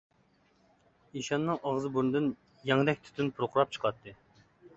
ئىشاننىڭ ئاغزى-بۇرنىدىن يەڭدەك تۈتۈن پۇرقىراپ چىقاتتى.